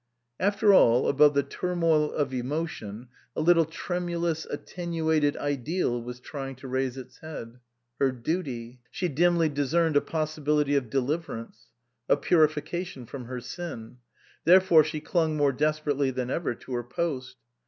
After all, above the turmoil of emotion a little tremulous, attenuated ideal was trying to raise its head. Her duty. She dimly dis cerned a possibility of deliverance, of purifi cation from her sin. Therefore she clung more desperately than ever to her post.